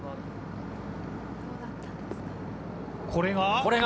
これが？